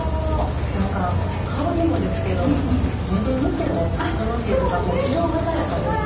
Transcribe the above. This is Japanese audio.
なんか香りもですけど目で見ても楽しいというか色鮮やかですね。